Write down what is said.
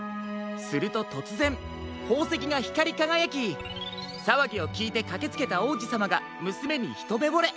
するととつぜんほうせきがひかりかがやきさわぎをきいてかけつけたおうじさまがむすめにひとめぼれ。